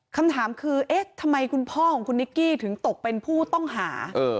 คำถามคือเอ๊ะทำไมคุณพ่อของคุณนิกกี้ถึงตกเป็นผู้ต้องหา